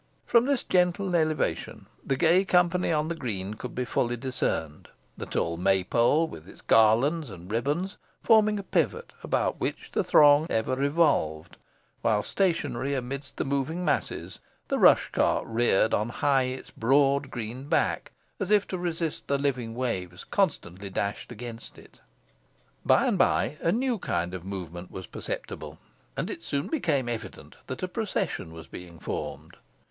From this gentle elevation the gay company on the green could be fully discerned, the tall May pole, with its garlands and ribands, forming a pivot, about which the throng ever revolved, while stationary amidst the moving masses, the rush cart reared on high its broad green back, as if to resist the living waves constantly dashed against it. By and by a new kind of movement was perceptible, and it soon became evident that a procession was being formed.